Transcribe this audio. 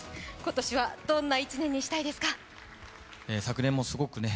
今年はどんな１年にしたいですか？